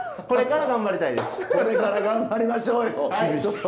これから頑張りましょうよ。